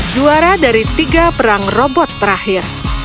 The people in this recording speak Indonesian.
juara dari tiga perang robot terakhir